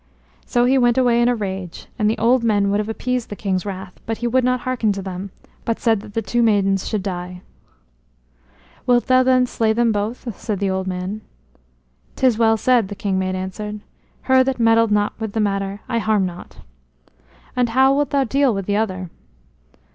So he went away in a rage; and the old men would have appeased the king's wrath, but he would not hearken to them, but said that the two maidens should die. "Wilt thou then slay them both?" said the old men. "'Tis well said," the king made answer. "Her that meddled not with the matter, I harm not." "And how wilt thou deal with the other?"